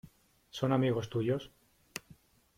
¿ son amigos tuyos?